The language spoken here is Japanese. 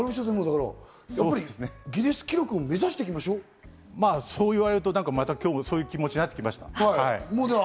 やっぱりギネス記録を目指しそう言われると、なんか今日もそういう気持ちになってきました。